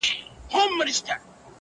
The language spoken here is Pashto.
• څرنګه چي شعر مخاطب لري -